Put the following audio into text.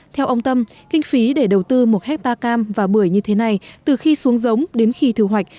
theo ông tâm kinh phí để đầu tư một hectare cam và bưởi như thế này từ khi xuống giống đến khi thu hoạch